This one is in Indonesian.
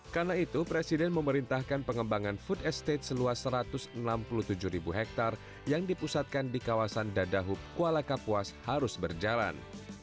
karena itu presiden memerintahkan pengembangan food estate seluas satu ratus enam puluh tujuh ribu hektare yang dipusatkan di kawasan dadahub kuala kapuas harus berjalan